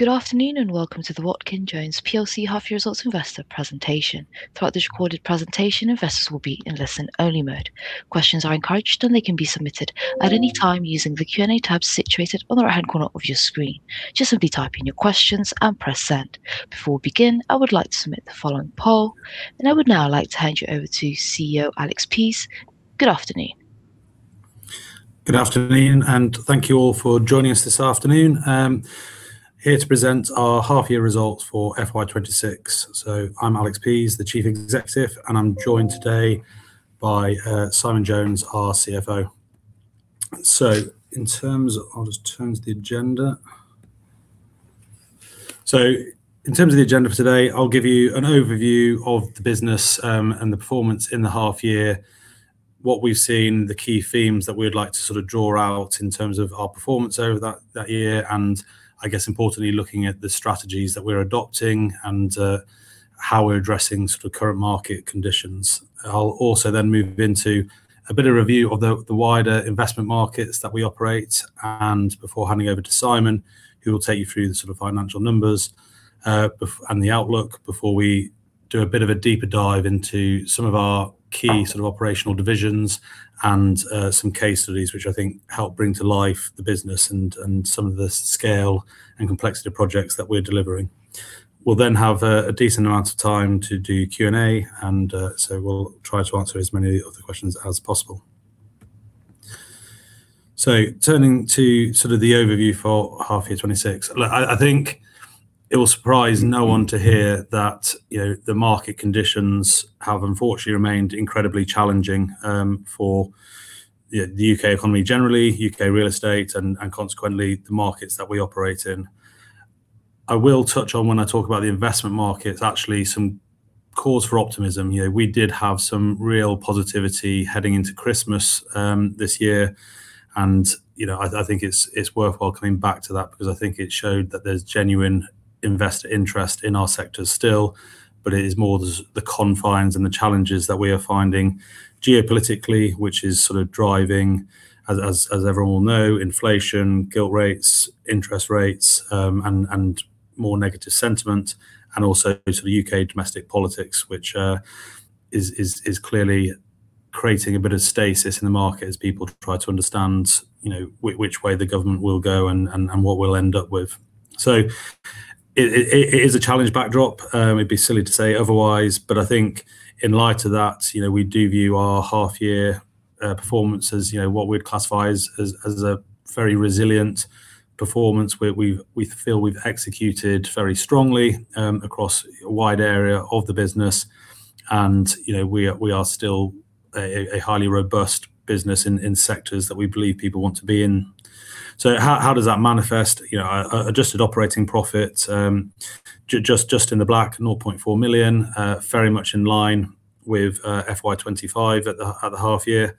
Good afternoon, and welcome to the Watkin Jones plc half year results investor presentation. Throughout this recorded presentation, investors will be in listen-only mode. Questions are encouraged, and they can be submitted at any time using the Q&A tab situated on the right-hand corner of your screen. Just simply type in your questions and press send. Before we begin, I would like to submit the following poll, and I would now like to hand you over to CEO Alex Pease. Good afternoon. Good afternoon, and thank you all for joining us this afternoon. Here to present our half-year results for FY 2026. I'm Alex Pease, the Chief Executive, and I'm joined today by Simon Jones, our CFO. I'll just turn to the agenda. In terms of the agenda for today, I'll give you an overview of the business and the performance in the half year, what we've seen, the key themes that we'd like to sort of draw out in terms of our performance over that year, and I guess importantly, looking at the strategies that we're adopting and how we're addressing sort of current market conditions. I'll also then move into a bit of review of the wider investment markets that we operate and before handing over to Simon, who will take you through the sort of financial numbers and the outlook before we do a bit of a deeper dive into some of our key sort of operational divisions and some case studies, which I think help bring to life the business and some of the scale and complexity of projects that we're delivering. We'll then have a decent amount of time to do Q&A, and so we'll try to answer as many of the questions as possible. Turning to sort of the overview for half year 2026. Look, I think it will surprise no one to hear that the market conditions have unfortunately remained incredibly challenging for the U.K. economy generally, U.K. real estate, and consequently, the markets that we operate in. I will touch on when I talk about the investment markets, actually, some cause for optimism. We did have some real positivity heading into Christmas this year. I think it's worthwhile coming back to that because I think it showed that there's genuine investor interest in our sector still. It is more the confines and the challenges that we are finding geopolitically, which is sort of driving, as everyone will know, inflation, gilt rates, interest rates, and more negative sentiment, and also sort of U.K. domestic politics, which is clearly creating a bit of stasis in the market as people try to understand which way the government will go and what we'll end up with. It is a challenge backdrop. It'd be silly to say otherwise, I think in light of that, we do view our half year performance as what we'd classify as a very resilient performance where we feel we've executed very strongly across a wide area of the business and we are still a highly robust business in sectors that we believe people want to be in. How does that manifest? Adjusted operating profit just in the black 0.4 million, very much in line with FY25 at the half year.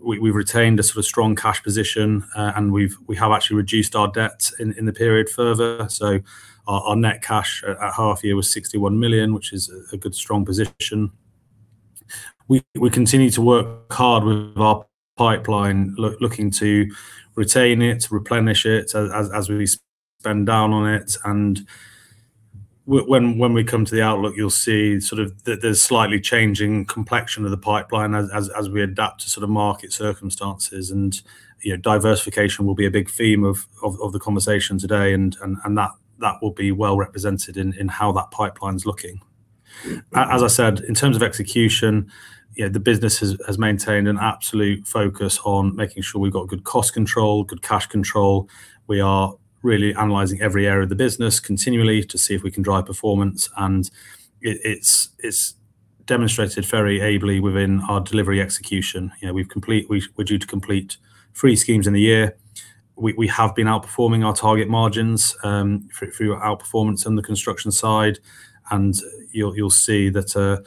We've retained a sort of strong cash position, and we have actually reduced our debt in the period further. Our net cash at half year was 61 million, which is a good, strong position. We continue to work hard with our pipeline, looking to retain it, replenish it as we spend down on it. When we come to the outlook, you'll see sort of there's slightly changing complexion of the pipeline as we adapt to sort of market circumstances. Diversification will be a big theme of the conversation today, and that will be well represented in how that pipeline's looking. As I said, in terms of execution, the business has maintained an absolute focus on making sure we've got good cost control, good cash control. We are really analyzing every area of the business continually to see if we can drive performance. It's demonstrated very ably within our delivery execution. We're due to complete three schemes in the year. We have been outperforming our target margins through our performance on the construction side. You'll see that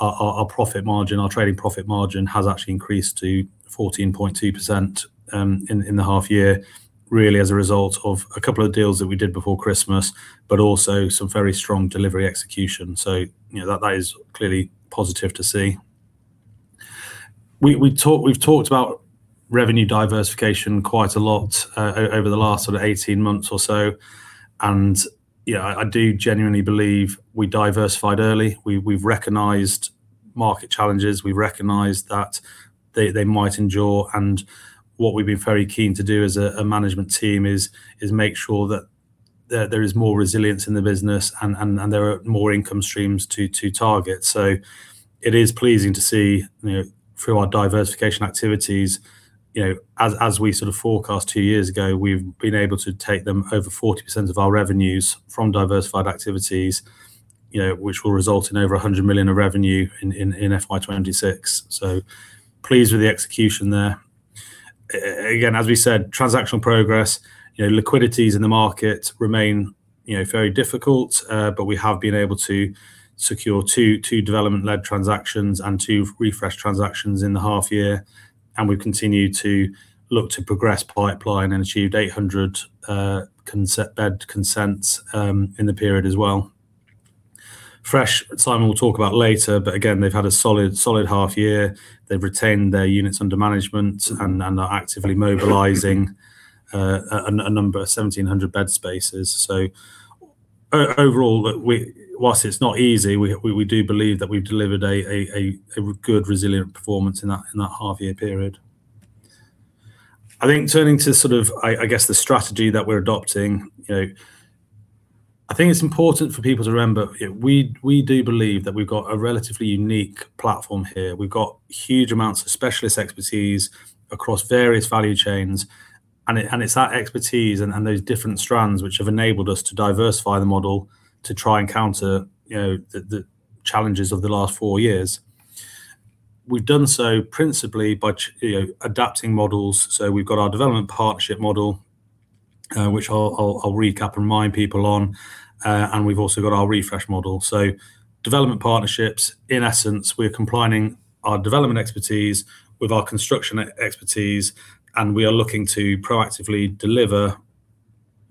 our profit margin, our trading profit margin, has actually increased to 14.2% in the half year, really as a result of a couple of deals that we did before Christmas, also some very strong delivery execution. That is clearly positive to see. We've talked about revenue diversification quite a lot over the last sort of 18 months or so. I do genuinely believe we diversified early. We've recognized market challenges. We've recognized that they might endure. What we've been very keen to do as a management team is make sure that there is more resilience in the business and there are more income streams to target. It is pleasing to see through our diversification activities, as we sort of forecast two years ago, we've been able to take them over 40% of our revenues from diversified activities, which will result in over 100 million of revenue in FY 2026. Pleased with the execution there. Again, as we said, transactional progress, liquidities in the market remain very difficult, but we have been able to secure two development-led transactions and two Fresh transactions in the half year, and we've continued to look to progress pipeline and achieved 800 bed consents in the period as well. Fresh, Simon will talk about later, but again, they've had a solid half year. They've retained their units under management and are actively mobilizing a number of 1,700 bed spaces. Overall, whilst it's not easy, we do believe that we've delivered a good, resilient performance in that half year period. Turning to the strategy that we're adopting, I think it's important for people to remember, we do believe that we've got a relatively unique platform here. We've got huge amounts of specialist expertise across various value chains, it's that expertise and those different strands which have enabled us to diversify the model to try and counter the challenges of the last four years. We've done so principally by adapting models. We've got our development partnership model, which I'll recap and remind people on, and we've also got our Fresh model. Development partnerships, in essence, we're combining our development expertise with our construction expertise, and we are looking to proactively deliver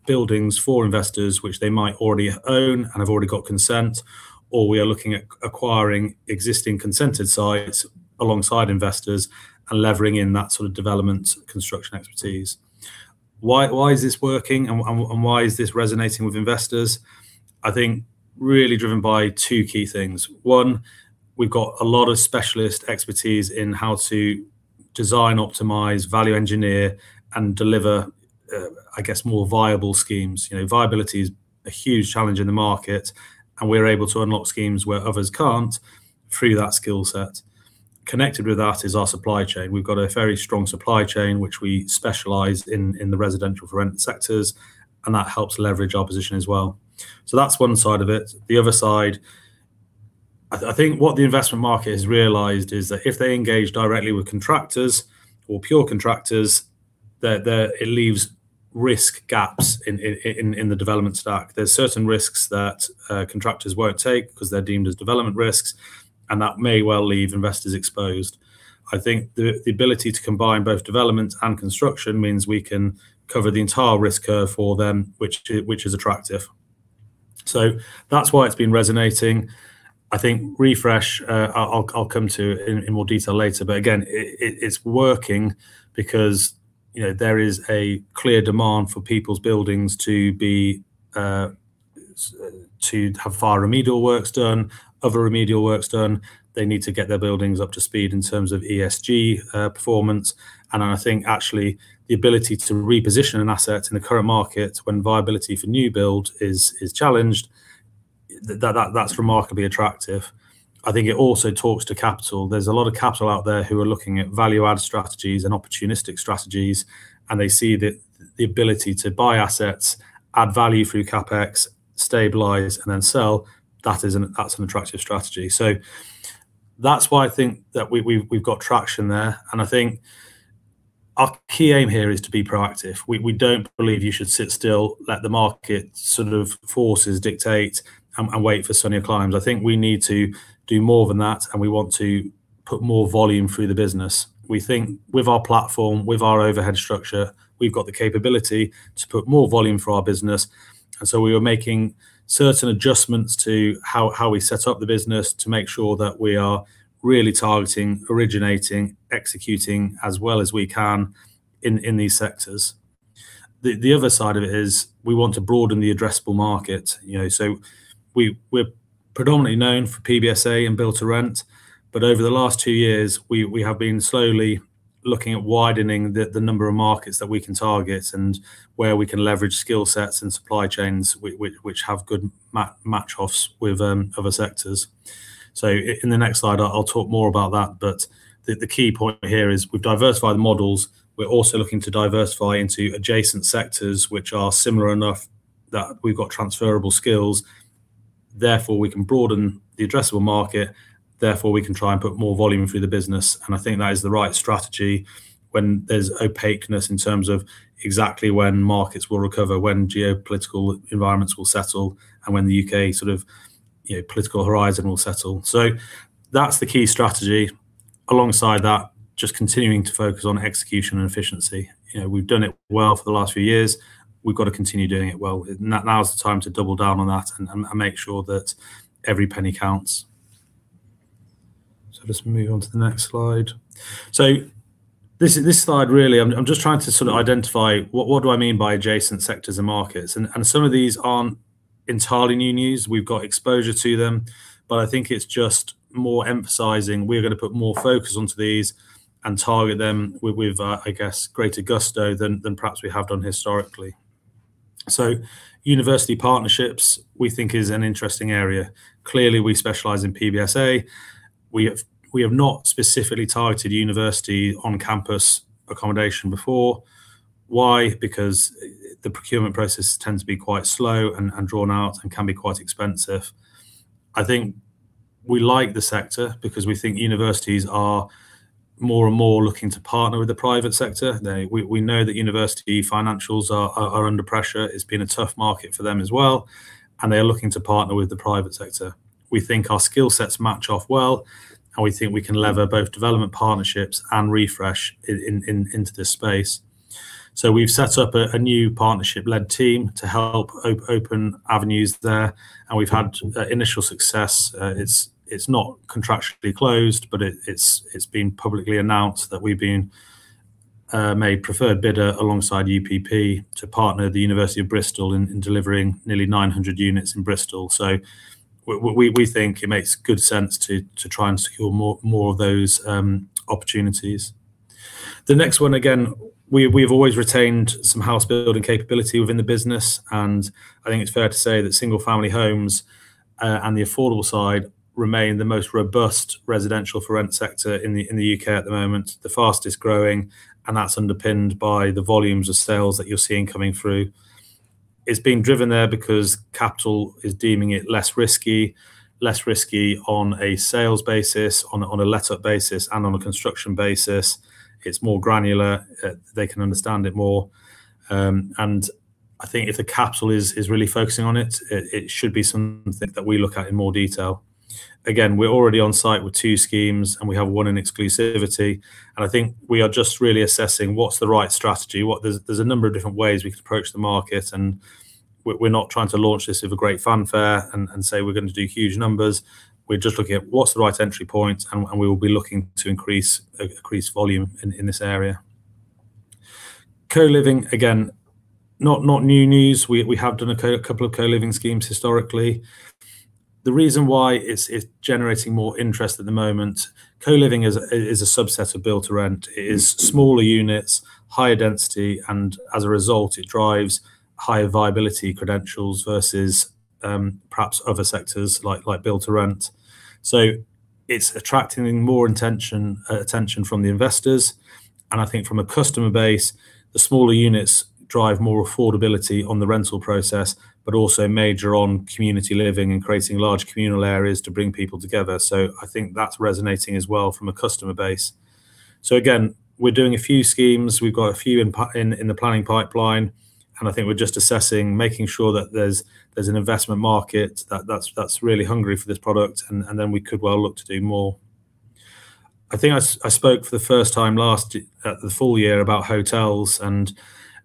buildings for investors which they might already own and have already got consent, or we are looking at acquiring existing consented sites alongside investors and leveraging in that sort of development construction expertise. Why is this working and why is this resonating with investors? I think really driven by two key things. One, we've got a lot of specialist expertise in how to design, optimize, value engineer, and deliver more viable schemes. Viability is a huge challenge in the market, and we're able to unlock schemes where others can't through that skill set. Connected with that is our supply chain. We've got a very strong supply chain, which we specialize in the residential for rent sectors, and that helps leverage our position as well. That's one side of it. The other side, I think what the investment market has realized is that if they engage directly with contractors or pure contractors, that it leaves risk gaps in the development stack. There's certain risks that contractors won't take because they're deemed as development risks, and that may well leave investors exposed. I think the ability to combine both development and construction means we can cover the entire risk curve for them, which is attractive. That's why it's been resonating. I think Fresh, I'll come to in more detail later, but again, it's working because there is a clear demand for people's buildings to have fire remedial works done, other remedial works done. They need to get their buildings up to speed in terms of ESG performance. I think actually, the ability to reposition an asset in the current market when viability for new build is challenged, that's remarkably attractive. I think it also talks to capital. There's a lot of capital out there who are looking at value add strategies and opportunistic strategies, and they see that the ability to buy assets, add value through CapEx, stabilize, and then sell, that's an attractive strategy. That's why I think that we've got traction there, and I think our key aim here is to be proactive. We don't believe you should sit still, let the market forces dictate, and wait for sunnier climes. I think we need to do more than that, and we want to put more volume through the business. We think with our platform, with our overhead structure, we've got the capability to put more volume through our business. We are making certain adjustments to how we set up the business to make sure that we are really targeting, originating, executing as well as we can in these sectors. The other side of it is we want to broaden the addressable market. We're predominantly known for PBSA and build-to-rent, but over the last two years, we have been slowly looking at widening the number of markets that we can target and where we can leverage skill sets and supply chains, which have good match-offs with other sectors. In the next slide, I'll talk more about that. The key point here is we've diversified the models. We're also looking to diversify into adjacent sectors which are similar enough that we've got transferrable skills, therefore, we can broaden the addressable market, therefore, we can try and put more volume through the business. I think that is the right strategy when there's opaqueness in terms of exactly when markets will recover, when geopolitical environments will settle, and when the U.K. political horizon will settle. That's the key strategy. Alongside that, just continuing to focus on execution and efficiency. We've done it well for the last few years. We've got to continue doing it well. Now is the time to double down on that and make sure that every penny counts. Let's move on to the next slide. This slide really, I'm just trying to sort of identify what do I mean by adjacent sectors and markets, and some of these aren't entirely new news. We've got exposure to them, but I think it's just more emphasizing we're going to put more focus onto these and target them with, I guess, greater gusto than perhaps we have done historically. University partnerships we think is an interesting area. Clearly, we specialize in PBSA. We have not specifically targeted university on-campus accommodation before. Why? Because the procurement process tends to be quite slow and drawn out and can be quite expensive. I think we like the sector because we think universities are more and more looking to partner with the private sector. We know that university financials are under pressure. It's been a tough market for them as well, and they are looking to partner with the private sector. We think our skill sets match off well, and we think we can lever both development partnerships and Fresh into this space. We've set up a new partnership-led team to help open avenues there, and we've had initial success. It's not contractually closed, but it's been publicly announced that we've been made preferred bidder alongside UPP to partner the University of Bristol in delivering nearly 900 units in Bristol. We think it makes good sense to try and secure more of those opportunities. The next one, again, we've always retained some house building capability within the business. I think it's fair to say that single-family homes and the affordable side remain the most robust residential for-rent sector in the U.K. at the moment. The fastest-growing. That's underpinned by the volumes of sales that you're seeing coming through. It's being driven there because capital is deeming it less risky. Less risky on a sales basis, on a let-up basis, and on a construction basis. It's more granular. They can understand it more. I think if the capital is really focusing on it should be something that we look at in more detail. Again, we're already on site with two schemes, and we have one in exclusivity, and I think we are just really assessing what's the right strategy. There's a number of different ways we could approach the market, and we're not trying to launch this with a great fanfare and say we're going to do huge numbers. We're just looking at what's the right entry point, and we will be looking to increase volume in this area. Co-living, again, not new news. We have done a couple of co-living schemes historically. The reason why it's generating more interest at the moment, co-living is a subset of build-to-rent. It is smaller units, higher density, and as a result, it drives higher viability credentials versus perhaps other sectors like build-to-rent. It's attracting more attention from the investors. I think from a customer base, the smaller units drive more affordability on the rental process, but also major on community living and creating large communal areas to bring people together. I think that's resonating as well from a customer base. Again, we're doing a few schemes. We've got a few in the planning pipeline, and I think we're just assessing, making sure that there's an investment market that's really hungry for this product, and then we could well look to do more. I think I spoke for the first time at the full year about hotels, and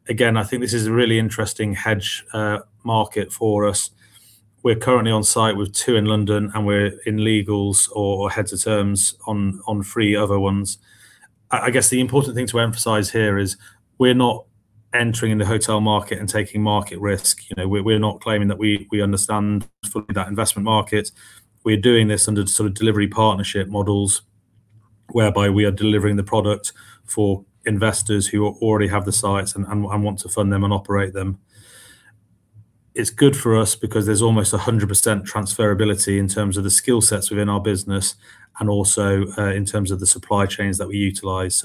again, I think this is a really interesting hedge market for us. We're currently on site with two in London, and we're in legals or heads of terms on three other ones. I guess the important thing to emphasize here is we're not entering the hotel market and taking market risk. We're not claiming that we understand fully that investment market. We're doing this under delivery partnership models, whereby we are delivering the product for investors who already have the sites and want to fund them and operate them. It's good for us because there's almost 100% transferability in terms of the skill sets within our business and also in terms of the supply chains that we utilize.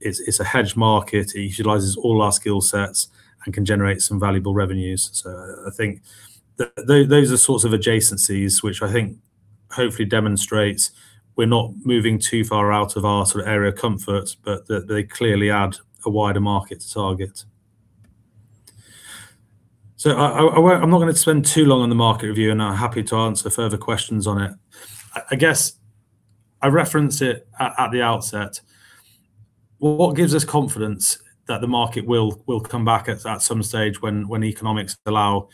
It's a hedge market. It utilizes all our skill sets and can generate some valuable revenues. I think those are sorts of adjacencies which I think hopefully demonstrates we're not moving too far out of our sort of area comfort, but that they clearly add a wider market to target. I'm not going to spend too long on the market review, and I'm happy to answer further questions on it. I guess I reference it at the outset. What gives us confidence that the market will come back at some stage when economics allow?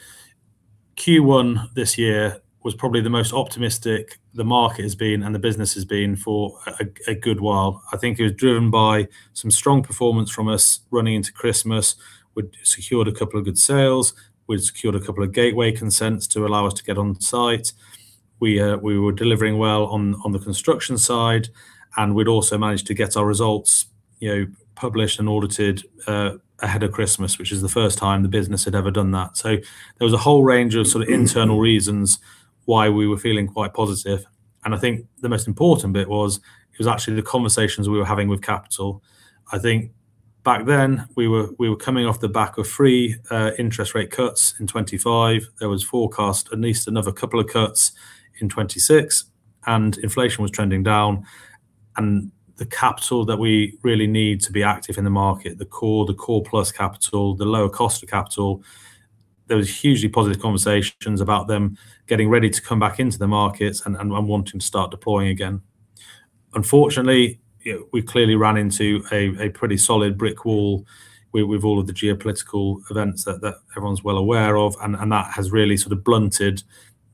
Q1 this year was probably the most optimistic the market has been and the business has been for a good while. I think it was driven by some strong performance from us running into Christmas. We'd secured a couple of good sales. We'd secured a couple of gateway consents to allow us to get on site. We were delivering well on the construction side, and we'd also managed to get our results published and audited ahead of Christmas, which is the first time the business had ever done that. There was a whole range of sort of internal reasons why we were feeling quite positive, and I think the most important bit was actually the conversations we were having with Capital. I think back then, we were coming off the back of three interest rate cuts in 2025. There was forecast at least another couple of cuts in 2026, inflation was trending down. The capital that we really need to be active in the market, the core, the core plus capital, the lower cost of capital. There was hugely positive conversations about them getting ready to come back into the markets and wanting to start deploying again. Unfortunately, we've clearly ran into a pretty solid brick wall with all of the geopolitical events that everyone's well aware of, and that has really sort of blunted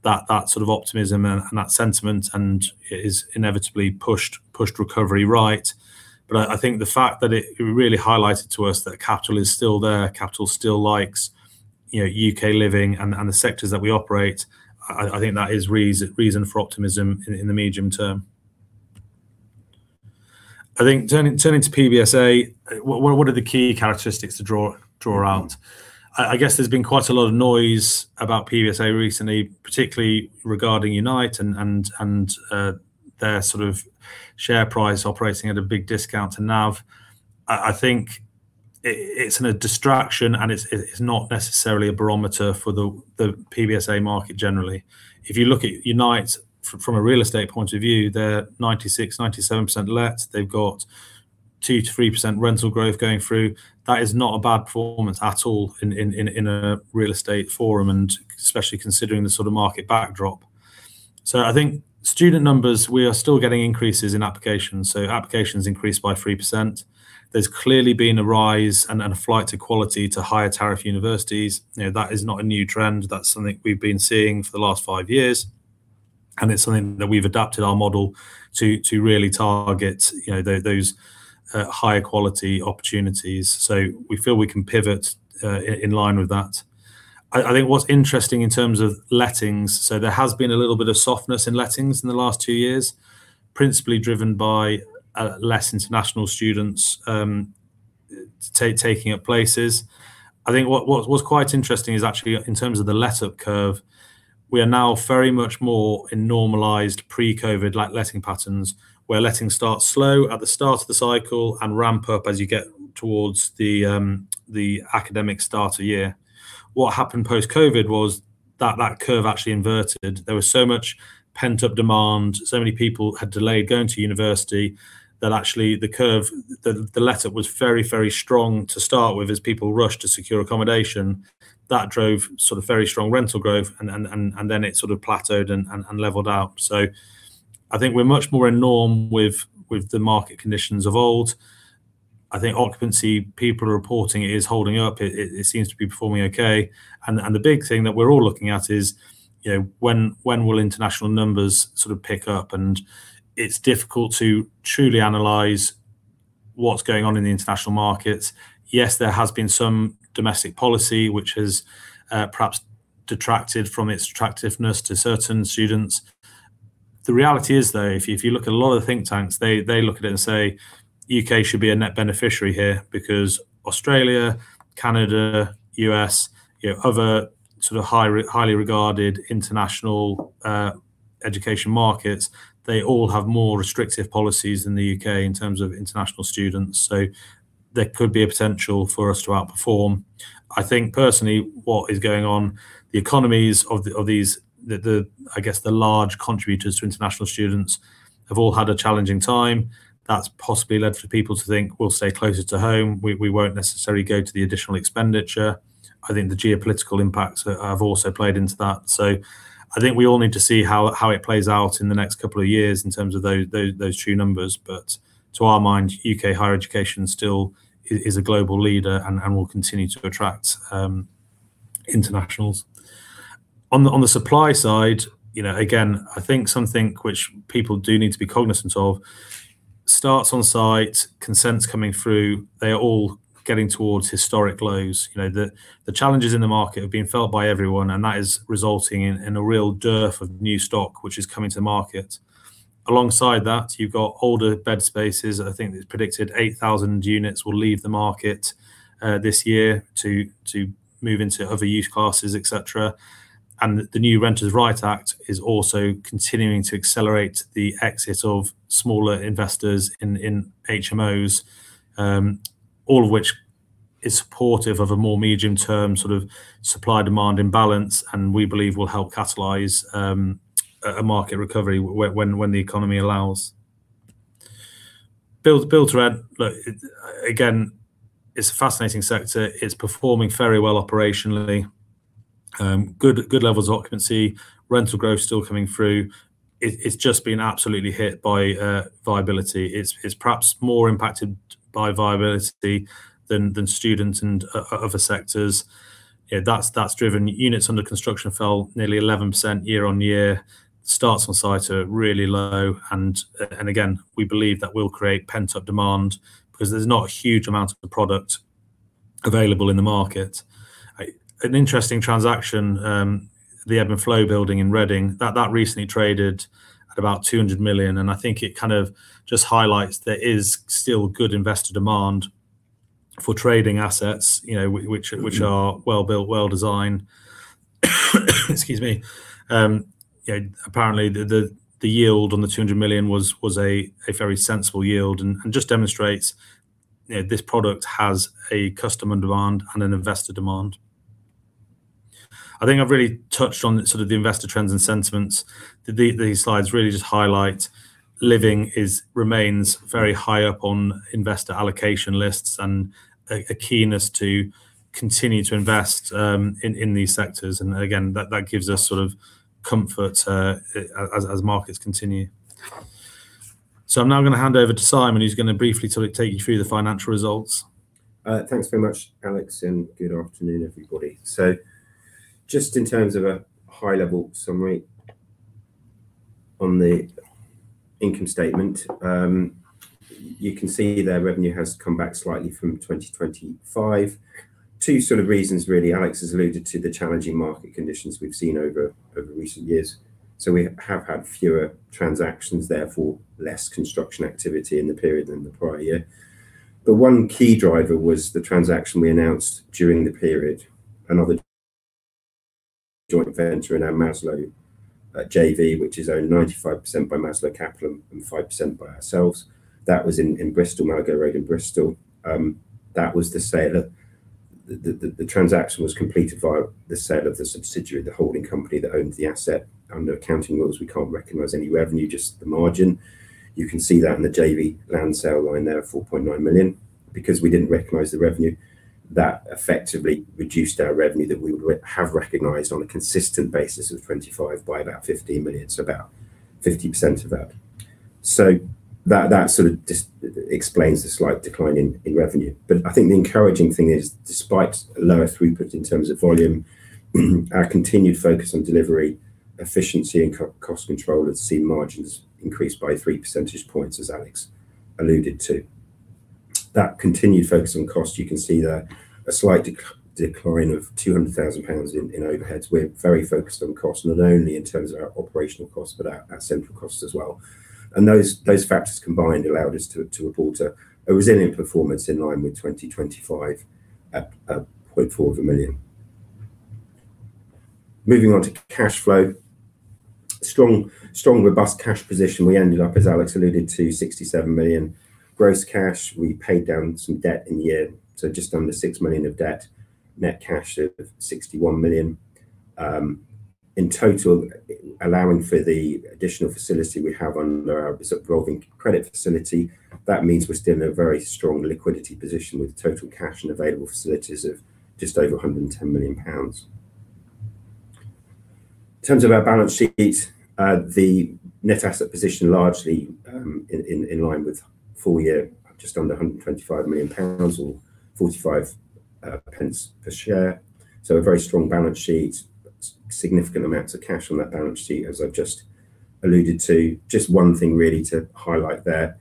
that sort of optimism and that sentiment and has inevitably pushed recovery right. I think the fact that it really highlighted to us that capital is still there, capital still likes U.K. living and the sectors that we operate, I think that is reason for optimism in the medium term. I think turning to PBSA, what are the key characteristics to draw out? I guess there's been quite a lot of noise about PBSA recently, particularly regarding Unite and their sort of share price operating at a big discount to NAV. I think it's a distraction, and it's not necessarily a barometer for the PBSA market generally. If you look at Unite from a real estate point of view, they're 96%, 97% let. They've got two to three percent rental growth going through. That is not a bad performance at all in a real estate forum and especially considering the sort of market backdrop. I think student numbers, we are still getting increases in applications. Applications increased by three percent. There's clearly been a rise and a flight to quality to higher tariff universities. That is not a new trend. That's something we've been seeing for the last five years, and it's something that we've adapted our model to really target those higher quality opportunities. We feel we can pivot, in line with that. I think what's interesting in terms of lettings, so there has been a little bit of softness in lettings in the last two years, principally driven by less international students taking up places. I think what's quite interesting is actually in terms of the let-up curve, we are now very much more in normalized pre-COVID like letting patterns, where letting starts slow at the start of the cycle and ramp up as you get towards the academic start of year. What happened post-COVID was that that curve actually inverted. There was so much pent-up demand, so many people had delayed going to university, that actually the let-up was very strong to start with as people rushed to secure accommodation. That drove very strong rental growth and then it sort of plateaued and leveled out. I think we're much more in norm with the market conditions of old. I think occupancy, people are reporting it is holding up. It seems to be performing okay. The big thing that we're all looking at is when will international numbers sort of pick up? It's difficult to truly analyze what's going on in the international markets. Yes, there has been some domestic policy which has perhaps detracted from its attractiveness to certain students. The reality is, though, if you look at a lot of the think tanks, they look at it and say U.K. should be a net beneficiary here because Australia, Canada, U.S., other sort of highly regarded international education markets, they all have more restrictive policies than the U.K. in terms of international students. There could be a potential for us to outperform. I think personally, what is going on, the economies of these, I guess the large contributors to international students, have all had a challenging time. That's possibly led for people to think we'll stay closer to home. We won't necessarily go to the additional expenditure. I think the geopolitical impacts have also played into that. I think we all need to see how it plays out in the next couple of years in terms of those true numbers. To our mind, U.K. higher education still is a global leader and will continue to attract internationals. On the supply side, again, I think something which people do need to be cognizant of, starts on site, consents coming through, they are all getting towards historic lows. The challenges in the market have been felt by everyone, and that is resulting in a real dearth of new stock, which is coming to market. Alongside that, you've got older bed spaces. I think it's predicted 8,000 units will leave the market this year to move into other use classes, et cetera. The new Renters' Rights Act is also continuing to accelerate the exit of smaller investors in HMOs. All of which is supportive of a more medium-term sort of supply-demand imbalance, and we believe will help catalyze a market recovery when the economy allows. build-to-rent, look, again, it's a fascinating sector. It's performing very well operationally. Good levels of occupancy. Rental growth still coming through. It's just been absolutely hit by viability. It's perhaps more impacted by viability than students and other sectors. That's driven units under construction fell nearly 11% year-on-year. Starts on site are really low, again, we believe that will create pent-up demand because there's not a huge amount of product available in the market. An interesting transaction, the Edmund Floe building in Reading, that recently traded at about 200 million, I think it kind of just highlights there is still good investor demand for trading assets which are well-built, well-designed. Excuse me. Apparently, the yield on the 200 million was a very sensible yield and just demonstrates this product has a customer demand and an investor demand. I think I've really touched on sort of the investor trends and sentiments. These slides really just highlight living remains very high up on investor allocation lists and a keenness to continue to invest in these sectors. Again, that gives us sort of comfort as markets continue. I'm now going to hand over to Simon, who's going to briefly sort of take you through the financial results. Thanks very much, Alex, and good afternoon, everybody. Just in terms of a high-level summary on the income statement. You can see their revenue has come back slightly from 2025. Two sort of reasons, really. Alex has alluded to the challenging market conditions we've seen over recent years. We have had fewer transactions, therefore less construction activity in the period than the prior year. The one key driver was the transaction we announced during the period. Another joint venture in our Maslow JV, which is owned 95% by Maslow Capital and five percent by ourselves. That was in Bristol, Malago Road in Bristol. The transaction was completed via the sale of the subsidiary, the holding company that owned the asset. Under accounting rules, we can't recognize any revenue, just the margin. You can see that in the JV land sale line there, 4.9 million. Because we didn't recognize the revenue, that effectively reduced our revenue that we would have recognized on a consistent basis of 25 by about 15 million, so about 50% of that. That sort of just explains the slight decline in revenue. I think the encouraging thing is, despite lower throughput in terms of volume, our continued focus on delivery efficiency and cost control has seen margins increase by three percentage points, as Alex alluded to. That continued focus on cost, you can see there a slight decline of 200,000 pounds in overheads. We're very focused on cost, not only in terms of our operational cost, but our central cost as well. Those factors combined allowed us to report a resilient performance in line with 2025 at 0.4 million. Moving on to cash flow. Strong, robust cash position. We ended up, as Alex alluded to, 67 million gross cash. We paid down some debt in the year, so just under 6 million of debt. Net cash of 61 million. In total, allowing for the additional facility we have on our revolving credit facility, that means we are still in a very strong liquidity position with total cash and available facilities of just over 110 million pounds. In terms of our balance sheet, the net asset position largely in line with full year, just under 125 million pounds or 0.45 per share. A very strong balance sheet. Significant amounts of cash on that balance sheet, as I have just alluded to. Just one thing really to highlight there,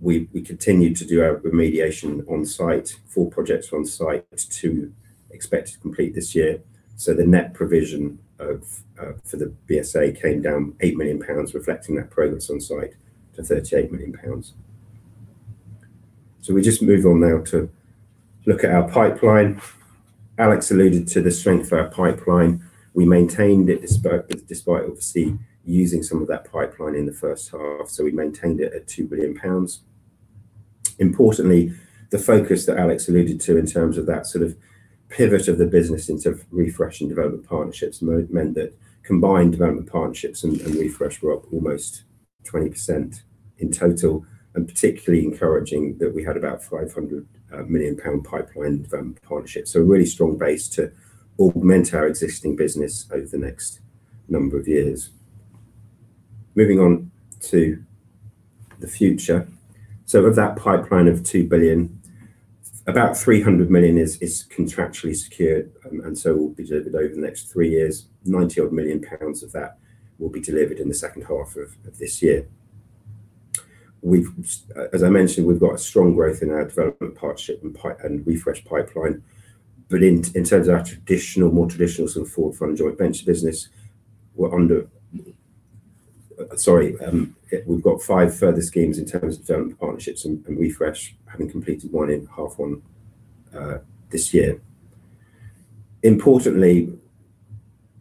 we continued to do our remediation on site for projects on site to expect to complete this year. The net provision for the BSA came down 8 million pounds, reflecting that progress on site to 38 million pounds. We just move on now to look at our pipeline. Alex alluded to the strength of our pipeline. We maintained it despite obviously using some of that pipeline in the first half. We maintained it at 2 billion pounds. Importantly, the focus that Alex alluded to in terms of that sort of pivot of the business into Fresh and development partnerships meant that combined development partnerships and Fresh were up almost 20% in total. Particularly encouraging that we had about 500 million pound pipeline partnerships. A really strong base to augment our existing business over the next number of years. Moving on to the future. Of that pipeline of 2 billion, about 300 million is contractually secured and so will be delivered over the next three years. 90-odd million pounds of that will be delivered in the second half of this year. As I mentioned, we've got a strong growth in our development partnership and Fresh pipeline. In terms of our more traditional sort of forward fund joint venture business, Sorry. We've got five further schemes in terms of development partnerships and Fresh, having completed one in half one this year. Importantly,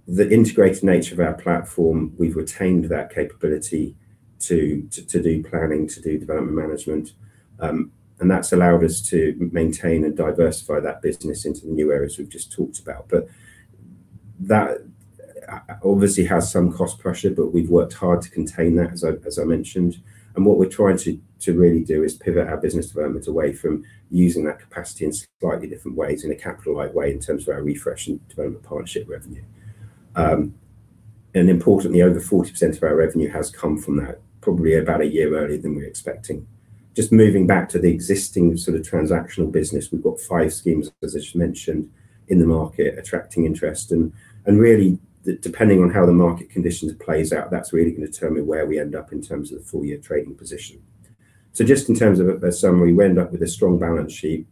the integrated nature of our platform, we've retained that capability to do planning, to do development management. That's allowed us to maintain and diversify that business into the new areas we've just talked about. That obviously has some cost pressure, but we've worked hard to contain that, as I mentioned. What we're trying to really do is pivot our business development away from using that capacity in slightly different ways, in a capital light way, in terms of our Fresh and development partnership revenue. Importantly, over 40% of our revenue has come from that, probably about a year earlier than we were expecting. Just moving back to the existing sort of transactional business, we've got five schemes, as I mentioned, in the market attracting interest, and really, depending on how the market conditions plays out, that's really going to determine where we end up in terms of the full year trading position. Just in terms of a summary, we end up with a strong balance sheet,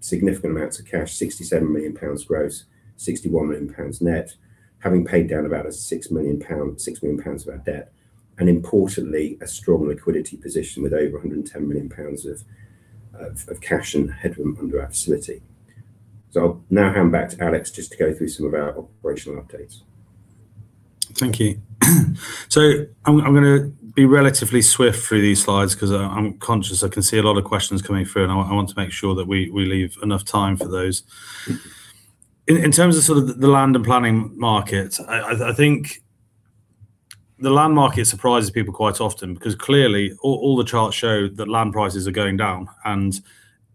significant amounts of cash, 67 million pounds gross, 61 million pounds net, having paid down about 6 million pound of our debt. Importantly, a strong liquidity position with over 110 million pounds of cash and headroom under our facility. I'll now hand back to Alex just to go through some of our operational updates. Thank you. I'm going to be relatively swift through these slides because I'm conscious I can see a lot of questions coming through, and I want to make sure that we leave enough time for those. In terms of sort of the land and planning market, I think the land market surprises people quite often because clearly all the charts show that land prices are going down and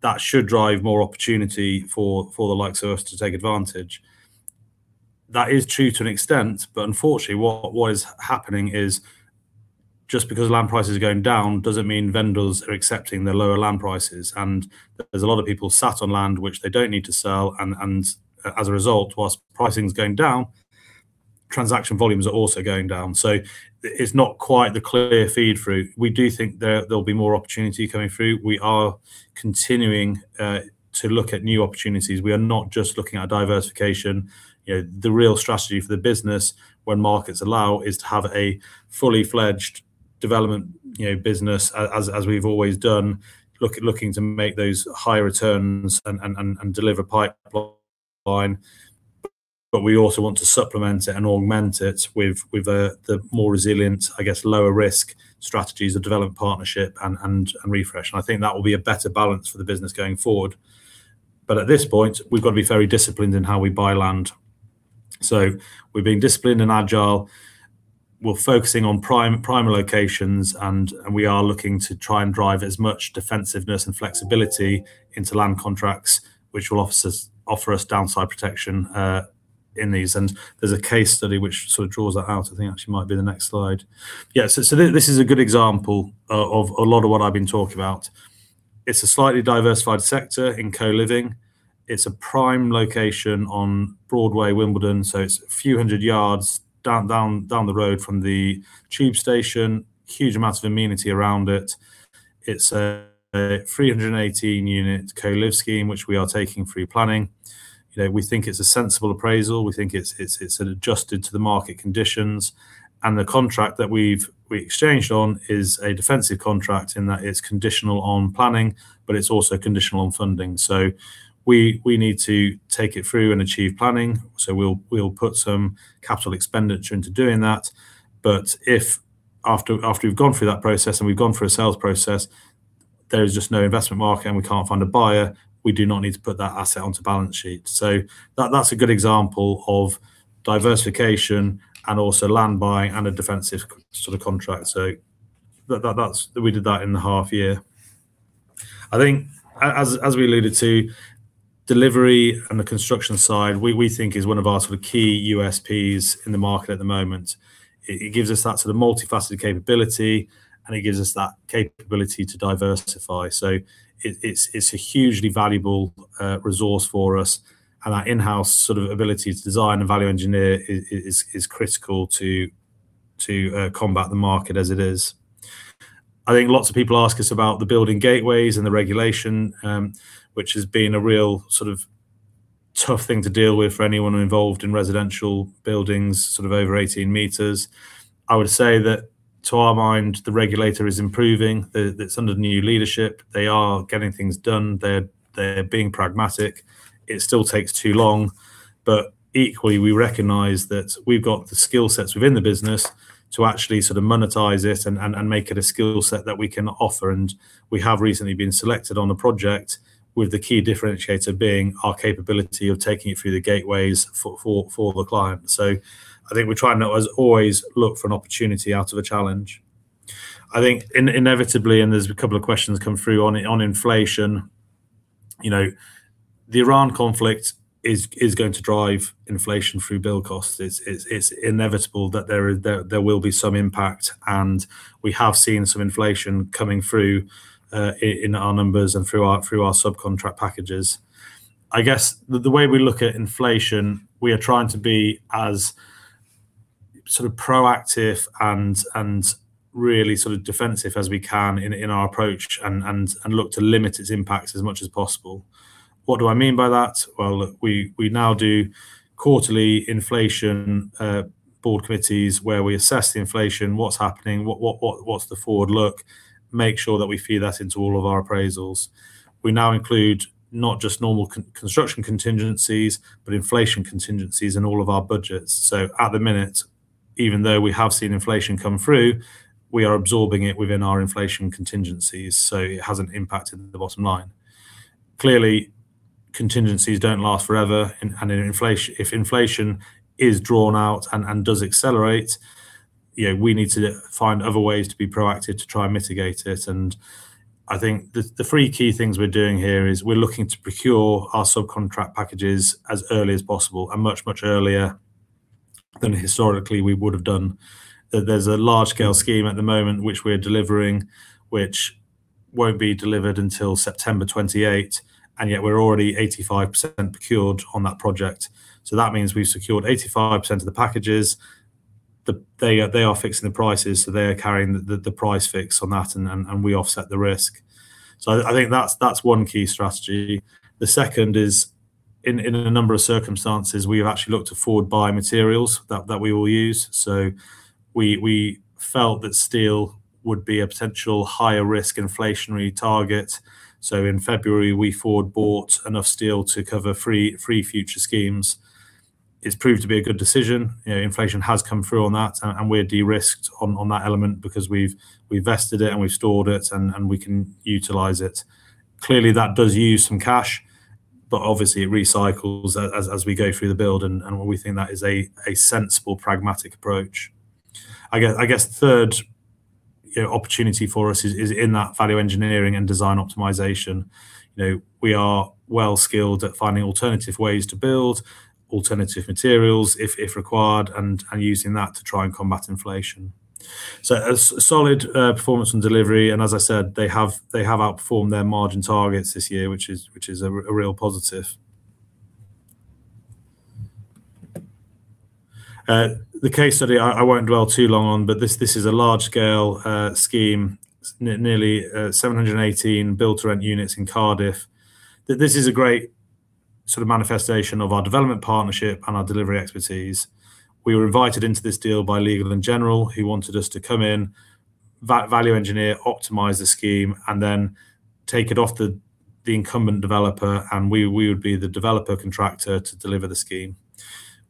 that should drive more opportunity for the likes of us to take advantage. That is true to an extent, unfortunately, what is happening is just because land price is going down doesn't mean vendors are accepting the lower land prices. There's a lot of people sat on land which they don't need to sell, and as a result, whilst pricing's going down, transaction volumes are also going down. It's not quite the clear feed through. We do think there'll be more opportunity coming through. We are continuing to look at new opportunities. We are not just looking at diversification. The real strategy for the business when markets allow is to have a fully fledged development business as we've always done, looking to make those high returns and deliver pipeline. We also want to supplement it and augment it with the more resilient, I guess, lower risk strategies of development partnership and Fresh. I think that will be a better balance for the business going forward. At this point, we've got to be very disciplined in how we buy land. We're being disciplined and agile. We're focusing on prime locations, and we are looking to try and drive as much defensiveness and flexibility into land contracts, which will offer us downside protection. There's a case study which sort of draws that out. I think actually it might be the next slide. Yeah. This is a good example of a lot of what I've been talking about. It's a slightly diversified sector in co-living. It's a prime location on Broadway, Wimbledon, so it's a few hundred yards down the road from the tube station. Huge amount of amenity around it. It's a 318-unit co-live scheme, which we are taking through planning. We think it's a sensible appraisal. We think it's adjusted to the market conditions. The contract that we exchanged on is a defensive contract in that it's conditional on planning, but it's also conditional on funding. We need to take it through and achieve planning, so we'll put some capital expenditure into doing that. If after we've gone through that process and we've gone through a sales process, there is just no investment market and we can't find a buyer, we do not need to put that asset onto the balance sheet. That's a good example of diversification and also land buying and a defensive sort of contract. We did that in the half year. I think, as we alluded to, delivery and the construction side, we think is one of our key USPs in the market at the moment. It gives us that sort of multifaceted capability, and it gives us that capability to diversify. It's a hugely valuable resource for us. That in-house sort of ability to design and value engineer is critical to combat the market as it is. I think lots of people ask us about the building gateways and the regulation, which has been a real sort of tough thing to deal with for anyone involved in residential buildings sort of over 18 meters. I would say that to our mind, the regulator is improving. It's under new leadership. They are getting things done. They're being pragmatic. It still takes too long, but equally, we recognize that we've got the skill sets within the business to actually sort of monetize it and make it a skill set that we can offer. We have recently been selected on a project with the key differentiator being our capability of taking it through the gateways for the client. I think we're trying to as always look for an opportunity out of a challenge. I think inevitably, and there's a couple of questions come through on inflation. The Iran conflict is going to drive inflation through build costs. It's inevitable that there will be some impact, and we have seen some inflation coming through in our numbers and through our subcontract packages. I guess the way we look at inflation, we are trying to be as sort of proactive and really sort of defensive as we can in our approach and look to limit its impacts as much as possible. What do I mean by that? Well, look, we now do quarterly inflation board committees where we assess the inflation, what's happening, what's the forward look, make sure that we feed that into all of our appraisals. We now include not just normal construction contingencies but inflation contingencies in all of our budgets. At the minute, even though we have seen inflation come through, we are absorbing it within our inflation contingencies, so it hasn't impacted the bottom line. Clearly, contingencies don't last forever, and if inflation is drawn out and does accelerate, we need to find other ways to be proactive to try and mitigate it. I think the three key things we're doing here is we're looking to procure our subcontract packages as early as possible and much earlier than historically we would have done. There's a large-scale scheme at the moment which we are delivering, which won't be delivered until September 2028, and yet we're already 85% procured on that project. That means we've secured 85% of the packages. They are fixing the prices, so they are carrying the price fix on that, and we offset the risk. I think that's one key strategy. The second is in a number of circumstances, we have actually looked to forward-buy materials that we will use. We felt that steel would be a potential higher-risk inflationary target. In February, we forward-bought enough steel to cover three future schemes. It's proved to be a good decision. Inflation has come through on that, and we're de-risked on that element because we've vested it, and we've stored it, and we can utilize it. Clearly, that does use some cash, but obviously it recycles as we go through the build, and we think that is a sensible, pragmatic approach. I guess the third opportunity for us is in that value engineering and design optimization. We are well-skilled at finding alternative ways to build, alternative materials if required, and using that to try and combat inflation. A solid performance on delivery, and as I said, they have outperformed their margin targets this year, which is a real positive. The case study I won't dwell too long on. This is a large-scale scheme, nearly 718 build-to-rent units in Cardiff. This is a great sort of manifestation of our development partnership and our delivery expertise. We were invited into this deal by Legal & General, who wanted us to come in, value engineer, optimize the scheme, and then take it off the incumbent developer and we would be the developer contractor to deliver the scheme.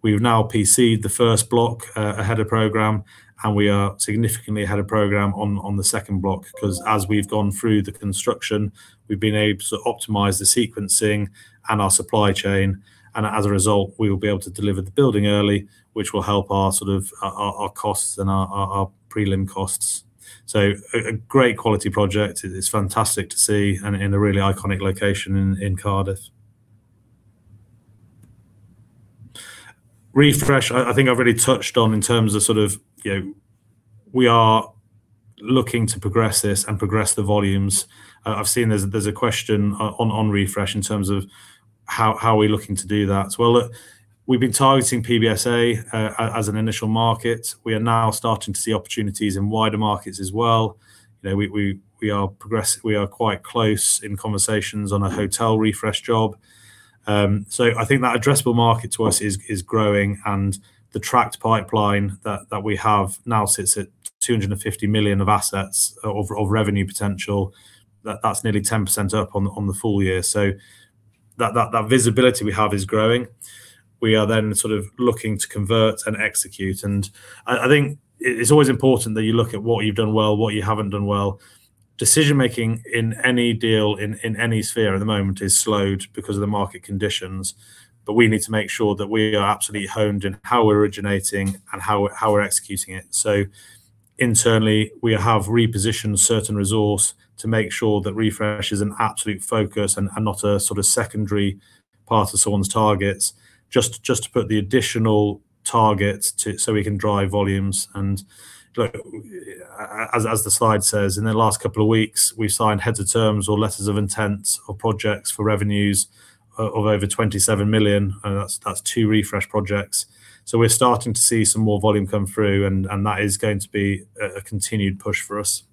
We've now PC'd the first block ahead of program, and we are significantly ahead of program on the second block, because as we've gone through the construction, we've been able to optimize the sequencing and our supply chain, and as a result, we will be able to deliver the building early, which will help our costs and our prelim costs. A great quality project. It's fantastic to see, and in a really iconic location in Cardiff. Fresh, I think I've already touched on in terms of we are looking to progress this and progress the volumes. I've seen there's a question on Fresh in terms of how we're looking to do that. Well, look, we've been targeting PBSA as an initial market. We are now starting to see opportunities in wider markets as well. We are quite close in conversations on a hotel Fresh job. I think that addressable market to us is growing, and the tracked pipeline that we have now sits at 250 million of assets of revenue potential. That's nearly 10% up on the full year. That visibility we have is growing. We are then looking to convert and execute. I think it's always important that you look at what you've done well, what you haven't done well. Decision-making in any deal in any sphere at the moment is slowed because of the market conditions. We need to make sure that we are absolutely honed in how we're originating and how we're executing it. Internally, we have repositioned certain resource to make sure that Refresh is an absolute focus and not a secondary part of someone's targets, just to put the additional targets so we can drive volumes and, as the slide says, in the last couple of weeks, we've signed heads of terms or letters of intent or projects for revenues of over 27 million. That's two Refresh projects. We're starting to see some more volume come through, and that is going to be a continued push for us.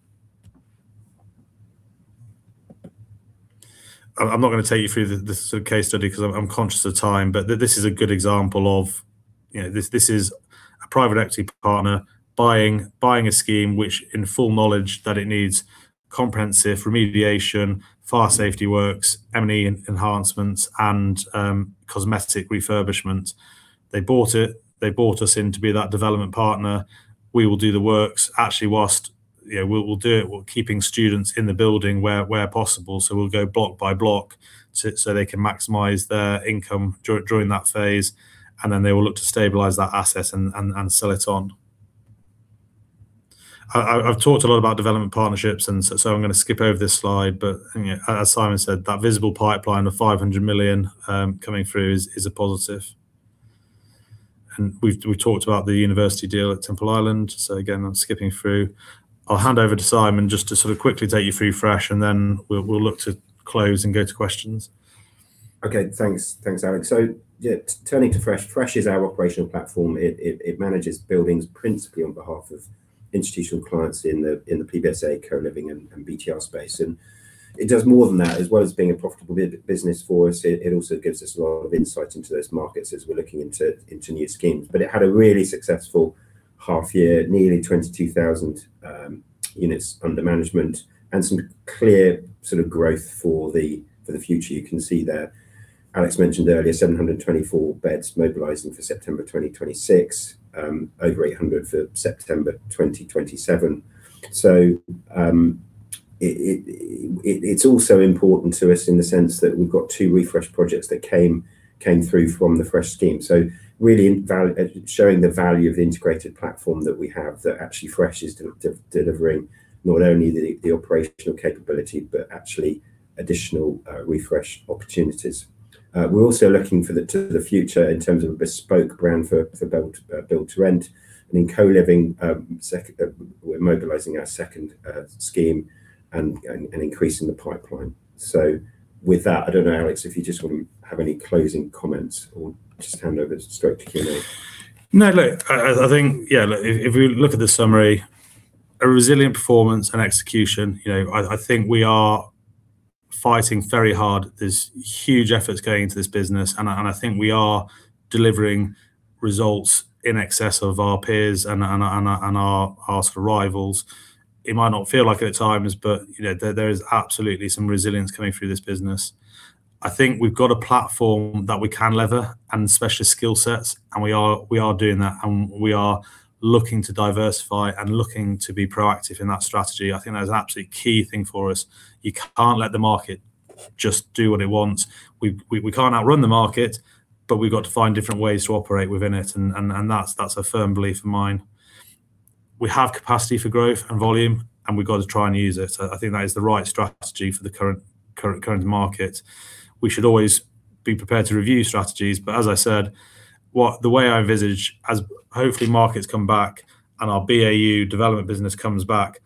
I'm not going to take you through this case study because I'm conscious of time, but this is a good example of, this is a private equity partner buying a scheme which in full knowledge that it needs comprehensive remediation, fire safety works, M&E enhancements, and cosmetic refurbishment. They bought it. They bought us in to be that development partner. We will do the works. Actually, whilst we'll do it, we're keeping students in the building where possible. We'll go block by block so they can maximize their income during that phase, and then they will look to stabilize that asset and sell it on. I've talked a lot about development partnerships. I'm going to skip over this slide. As Simon said, that visible pipeline of 500 million coming through is a positive. We've talked about the university deal at Temple Island. Again, I'm skipping through. I'll hand over to Simon just to quickly take you through Fresh, and then we'll look to close and go to questions. Okay, thanks, Alex. Yeah, turning to Fresh. Fresh is our operational platform. It manages buildings principally on behalf of institutional clients in the PBSA, co-living, and BTR space. It does more than that. As well as being a profitable business for us, it also gives us a lot of insight into those markets as we're looking into new schemes. It had a really successful half year, nearly 22,000 units under management and some clear growth for the future. You can see there, Alex mentioned earlier, 724 beds mobilizing for September 2026, over 800 for September 2027. It's also important to us in the sense that we've got two Refresh projects that came through from the Fresh scheme. Really showing the value of the integrated platform that we have that actually Fresh is delivering, not only the operational capability, but actually additional Refresh opportunities. We're also looking for the future in terms of a bespoke brand for build-to-rent and in co-living. We're mobilizing our second scheme and increasing the pipeline. With that, I don't know, Alex, if you just have any closing comments or just hand over, straight to Q&A. If we look at the summary, a resilient performance and execution. I think we are fighting very hard. There's huge efforts going into this business, and I think we are delivering results in excess of our peers and our rivals. It might not feel like it at times. There is absolutely some resilience coming through this business. I think we've got a platform that we can lever and specialist skill sets, and we are doing that, and we are looking to diversify and looking to be proactive in that strategy. I think that is an absolutely key thing for us. You can't let the market just do what it wants. We can't outrun the market. We've got to find different ways to operate within it. That's a firm belief of mine. We have capacity for growth and volume, and we've got to try and use it. I think that is the right strategy for the current market. We should always be prepared to review strategies. As I said, the way I envisage, as hopefully markets come back and our BAU development business comes back,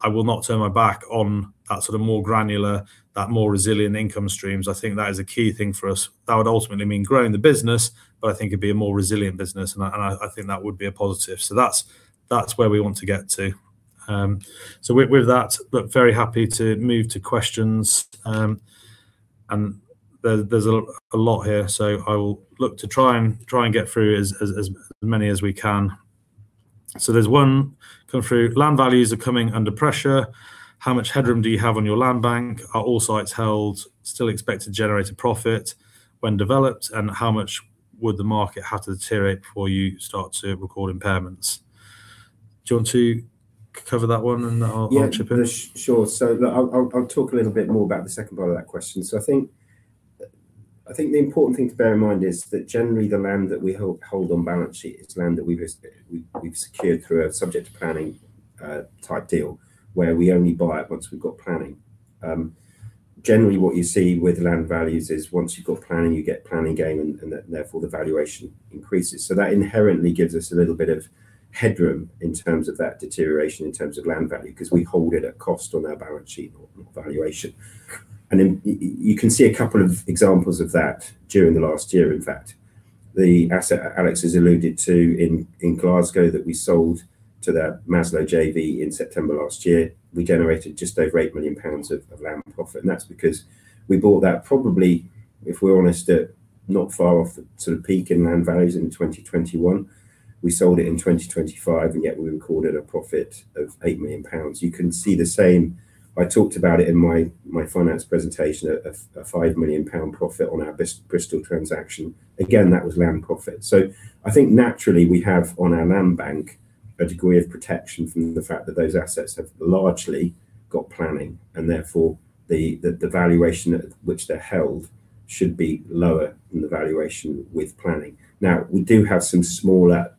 I will not turn my back on that sort of more granular, that more resilient income streams. I think that is a key thing for us. That would ultimately mean growing the business, but I think it'd be a more resilient business, and I think that would be a positive. That's where we want to get to. With that, look, very happy to move to questions. There's a lot here, so I will look to try and get through as many as we can. There's one come through. Land values are coming under pressure. How much headroom do you have on your land bank? Are all sites held still expected to generate a profit when developed? How much would the market have to deteriorate before you start to record impairments? Do you want to cover that one and I'll chip in? Yeah. Sure. Look, I'll talk a little bit more about the second part of that question. I think the important thing to bear in mind is that generally the land that we hold on balance sheet is land that we've secured through a subject planning type deal, where we only buy it once we've got planning. Generally, what you see with land values is once you've got planning, you get planning gain and therefore the valuation increases. That inherently gives us a little bit of headroom in terms of that deterioration, in terms of land value, because we hold it at cost on our balance sheet, not valuation. You can see a couple of examples of that during the last year, in fact. The asset Alex has alluded to in Glasgow that we sold to that Maslow JV in September last year, we generated just over 8 million pounds of land profit. That's because we bought that probably, if we're honest, at not far off the sort of peak in land values in 2021. We sold it in 2025, yet we recorded a profit of 8 million pounds. You can see the same, I talked about it in my finance presentation, a 5 million pound profit on our Bristol transaction. Again, that was land profit. I think naturally we have on our land bank a degree of protection from the fact that those assets have largely got planning and therefore the valuation at which they're held should be lower than the valuation with planning. We do have some smaller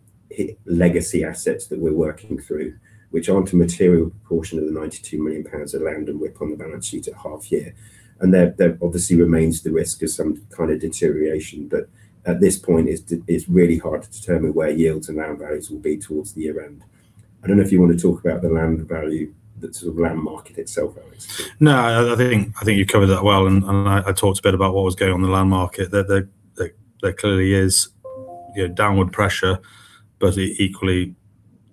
legacy assets that we're working through, which aren't a material portion of the 92 million pounds of land and WIP on the balance sheet at half year. There obviously remains the risk of some kind of deterioration. At this point, it's really hard to determine where yields and land values will be towards the year end. I don't know if you want to talk about the land value, the sort of land market itself, Alex. I think you covered that well. I talked a bit about what was going on in the land market. There clearly is downward pressure. Equally,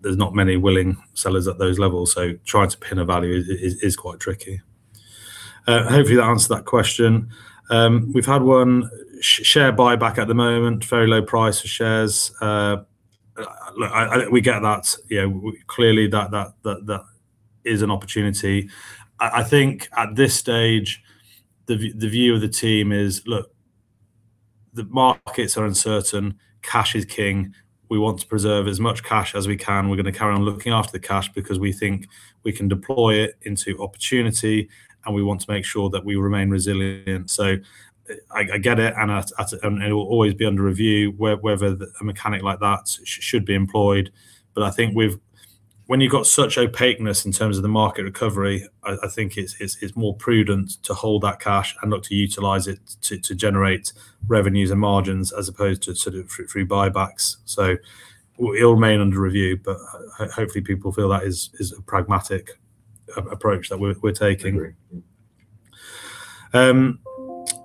there's not many willing sellers at those levels. Trying to pin a value is quite tricky. Hopefully that answered that question. We've had one share buyback at the moment. Very low price for shares. Look, we get that. Clearly, that is an opportunity. I think at this stage, the view of the team is, look, the markets are uncertain. Cash is king. We want to preserve as much cash as we can. We're going to carry on looking after the cash because we think we can deploy it into opportunity. We want to make sure that we remain resilient. I get it. It will always be under review whether a mechanic like that should be employed. I think when you've got such opaqueness in terms of the market recovery, I think it's more prudent to hold that cash and not to utilize it to generate revenues and margins as opposed to sort of through buybacks. It will remain under review, but hopefully people feel that is a pragmatic approach that we're taking.